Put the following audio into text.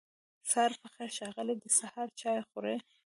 سهار پخير ښاغلی دی سهار چای خوری